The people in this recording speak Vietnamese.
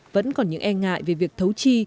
vẫn còn những e ngại về việc thấu chi